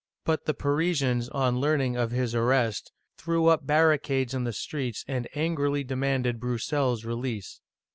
But the Parisians, on learning of his arrest, threw up barricades in the streets and angrily demanded Brous sel's release.